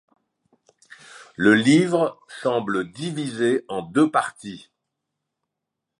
Le livre semble divisé en deux parties.